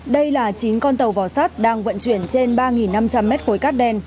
đây là chín con tàu vò sát đang vận chuyển trên ba năm trăm linh m khối cát đen